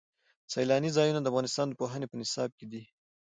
سیلاني ځایونه د افغانستان د پوهنې په نصاب کې دي.